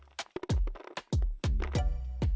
mereka specie sakit